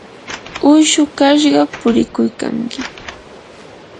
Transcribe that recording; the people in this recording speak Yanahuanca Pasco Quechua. uyshu kashqa purikuykanki.